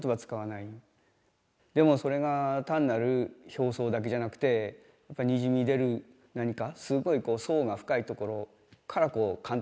でもそれが単なる表層だけじゃなくてやっぱりにじみ出る何かすごい層が深いところから簡単な言葉にしてくれてる。